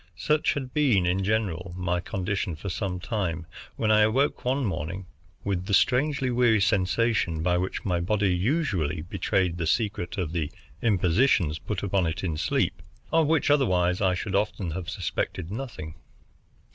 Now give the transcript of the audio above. Such had been, in general, my condition for some time, when I awoke one morning with the strangely weary sensation by which my body usually betrayed the secret of the impositions put upon it in sleep, of which otherwise I should often have suspected nothing.